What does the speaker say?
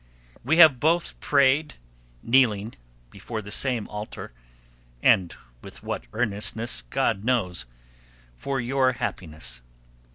We have both prayed, kneeling before the same altar and with what earnestness, God knows! for your happiness.